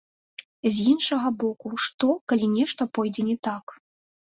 З іншага боку, што, калі нешта пойдзе не так?